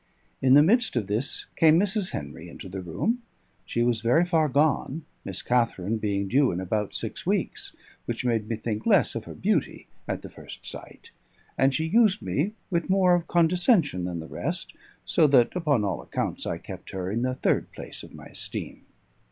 In the midst of this came Mrs. Henry into the room; she was very far gone, Miss Katharine being due in about six weeks, which made me think less of her beauty at the first sight; and she used me with more of condescension than the rest; so that, upon all accounts, I kept her in the third place of my esteem.